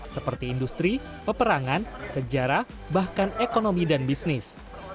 seperti industri peperangan sejarah bahkan ekonomi dan bisnis